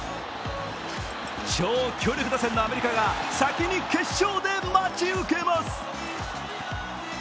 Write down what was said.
超強力打線のアメリカが先に決勝で待ち受けます。